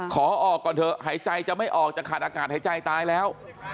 ขอออกก่อนเถอะหายใจจะไม่ออกจะขาดอากาศหายใจตายแล้ว